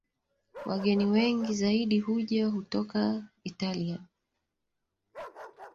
Wageni wengi zaidi huja hutoka Italia